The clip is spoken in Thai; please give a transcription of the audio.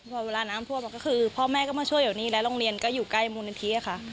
พอเวลาน้ำท่วมก็คือพ่อแม่ก็มาช่วยเดี๋ยวนี้แล้วโรงเรียนก็อยู่ใกล้มูลนิธิค่ะ